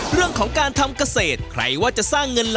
เรื่องของการทำเกษตรใครว่าจะสร้าง